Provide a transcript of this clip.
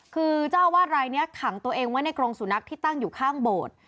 คือเจ้าอาวาสรายนี้ขังตัวเองไว้ในกรงสุนัขที่ตั้งอยู่ข้างโบสถ์